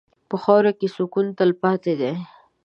په خاوره کې سکون تلپاتې دی.